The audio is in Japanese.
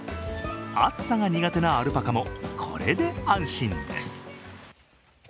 暑さが苦手なアルパカもこれで安心です。